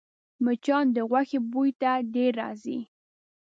مچان د غوښې بوی ته ډېر راځي